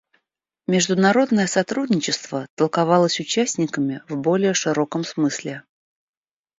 Международное сотрудничество толковалось участниками в более широком смысле.